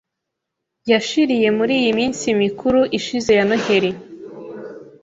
yashiriye muri iyi minsi mikuru ishize ya Noheli